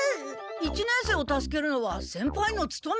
一年生を助けるのは先輩のつとめ。